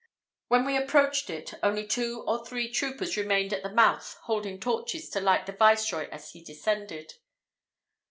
When we approached it, only two or three troopers remained at the mouth holding torches to light the viceroy as he descended.